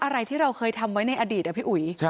อะไรที่เราเคยทำไว้ในอดีตพี่อุ๋ย